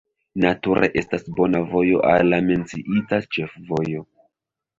Nature estas bona vojo al la menciita ĉefvojo.